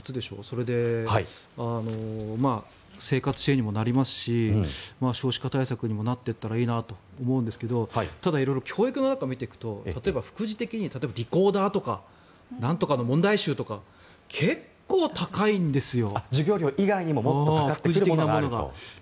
それで、生活支援にもなりますし少子化対策にもなっていったらいいなと思うんですがただ、色々教育の中を見ていくと副次的に例えばリコーダーとかなんとかの問題集とか結構、高いんですよ。